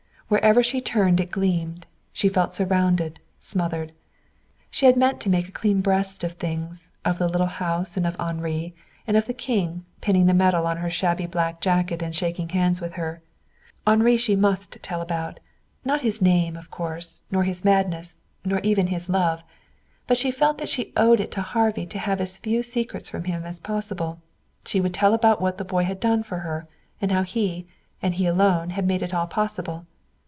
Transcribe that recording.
Wherever she turned it gleamed. She felt surrounded, smothered. She had meant to make a clean breast of things of the little house, and of Henri, and of the King, pinning the medal on her shabby black jacket and shaking hands with her. Henri she must tell about not his name of course, nor his madness, nor even his love. But she felt that she owed it to Harvey to have as few secrets from him as possible. She would tell about what the boy had done for her, and how he, and he alone, had made it all possible.